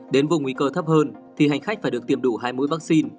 đến vùng nguy cơ thấp hơn thì hành khách phải được tiêm đủ hai mũi vaccine